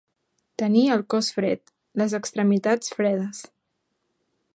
Tenir el cos fred, les extremitats fredes.